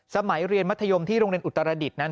สมัยเรียนมัธยมที่โรงเรียนอุตรดิษฐ์นั้น